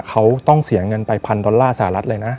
เขาต้องเสียเงินไปพันดอลลาร์สหรัฐเลยนะ